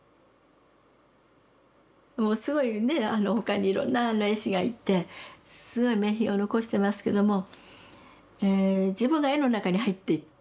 もうすごい他にいろんな絵師がいてすごい名品を残してますけども自分が絵の中に入っていってる。